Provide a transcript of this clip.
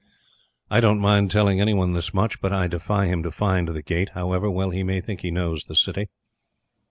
I don't mind telling any one this much, but I defy him to find the Gate, however well he may think he knows the City.